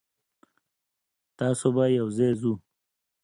تاسو به یوځای ځو.